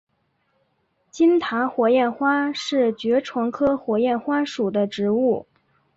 金塔火焰花是爵床科火焰花属的植物。